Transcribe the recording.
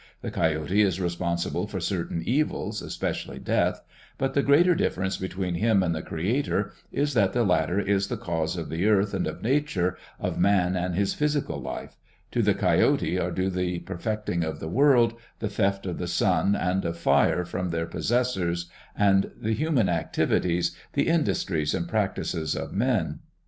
The Coyote is responsible for certain evils, especially death, but the greater difference between him and the creator is that the latter is the cause of the earth and of nature, of man and his physical life; to the Coyote are due the perfecting of the world, the theft of the sun and of fire from their possessors, and the human activities, the industries and practices of men.